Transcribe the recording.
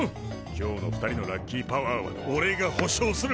今日の２人のラッキーパワーはおれが保証する！